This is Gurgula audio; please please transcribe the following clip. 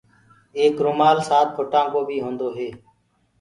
ايڪ رومآل سآت ڦُٽآ ڪو بيٚ هونٚدو هي